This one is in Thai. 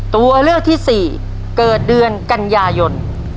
ตัวเลือกที่สี่เกิดเดือนกันยายน